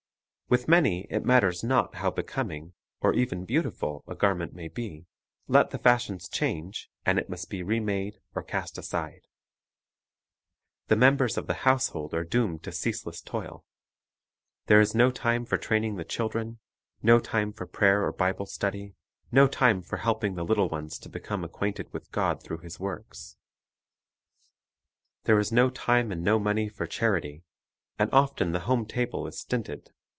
With many it matters not how becoming, or even beautiful, a garment may be, let the fashions change, and it must be remade or cast aside. The members of the household are doomed to ceaseless toil. There is no time for training the children, no time for prayer or Bible study, no time for helping the little ones to become acquainted with God through His works. (246) Relation of Dress to Education 247 There is no time and no money for charity. And often the home table is stinted.